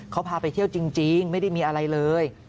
เขาพาไปเที่ยวจริงไม่ได้มีอะไรเลย